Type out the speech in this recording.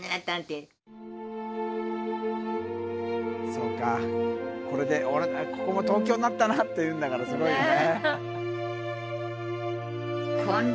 そうかこれでここも東京になったなっていうんだからすごいよね。